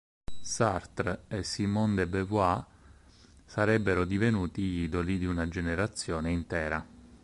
Sartre e Simone de Beauvoir sarebbero divenuti gli idoli di una generazione intera.